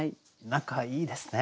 何かいいですね。